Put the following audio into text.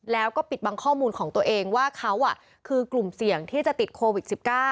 แล้วก็ปิดบังข้อมูลของตัวเองว่าเขาคือกลุ่มเสี่ยงที่จะติดโควิด๑๙